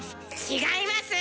違います！